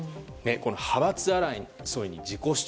派閥争いに自己主張。